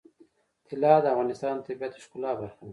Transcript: طلا د افغانستان د طبیعت د ښکلا برخه ده.